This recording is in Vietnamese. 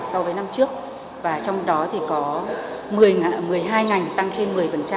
so với năm trước trong đó có một mươi hai ngành tăng trên một mươi